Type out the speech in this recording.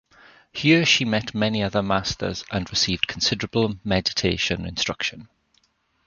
Here she met many other masters and received considerable meditation instruction.